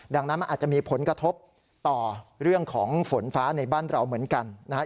ดังนั้นมันอาจจะมีผลกระทบต่อเรื่องของฝนฟ้าในบ้านเราเหมือนกันนะครับ